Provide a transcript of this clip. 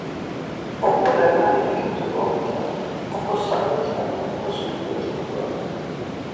Oǩule na ipintu gomte okosalute okosus gyoç̌ǩu doren.